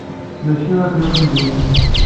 Mačči akken akk i m-d-nniɣ!